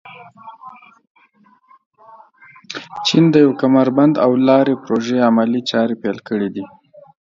چین د یو کمربند او لارې پروژې عملي چارې پيل کړي دي.